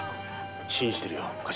信じてるよ頭。